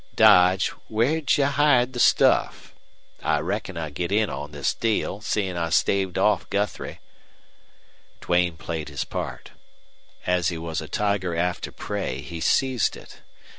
"Dodge, where'd you hide the stuff? I reckon I git in on this deal, seein' I staved off Guthrie." Duane played his part. Here was his a tiger after prey he seized it.